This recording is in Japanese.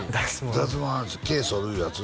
脱毛は毛そるいうやつ？